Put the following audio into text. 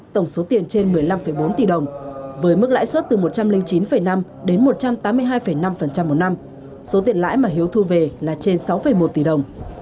tổng số tiền trên một mươi năm bốn tỷ đồng với mức lãi suất từ một trăm linh chín năm đến một trăm tám mươi hai năm một năm số tiền lãi mà hiếu thu về là trên sáu một tỷ đồng